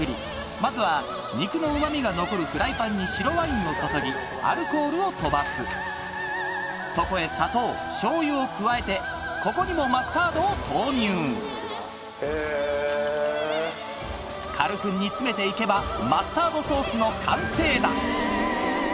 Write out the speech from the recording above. まずは肉のうま味が残るフライパンに白ワインを注ぎアルコールを飛ばすそこへ砂糖醤油を加えてここにもマスタードを投入軽く煮詰めて行けばマスタードソースの完成だ